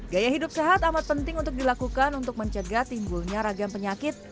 gaya hidup sehat amat penting untuk dilakukan untuk mencegah timbulnya ragam penyakit